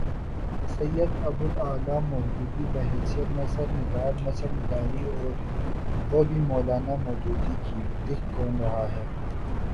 سید ابو الاعلی مودودی، بحیثیت نثر نگار نثر نگاری اور وہ بھی مو لانا مودودی کی! لکھ کون رہا ہے؟